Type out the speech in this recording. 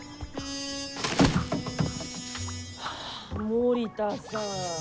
森田さん。